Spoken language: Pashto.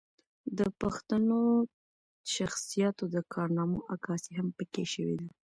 د پښتنو شخصياتو د کارنامو عکاسي هم پکښې شوې ده